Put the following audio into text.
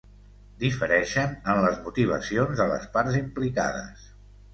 Difereixen en les motivacions de les parts implicades.